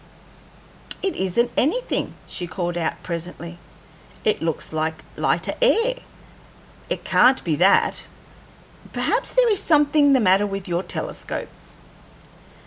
"It isn't anything," she called out presently. "It looks like lighter air; it can't be that. Perhaps there is something the matter with your telescope."